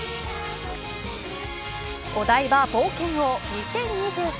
お台場冒険王２０２３